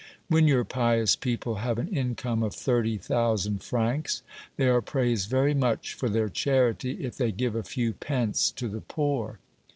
When your pious people have an income of thirty thousand francs, they are praised very much for their charity if they give a few pence to the poor.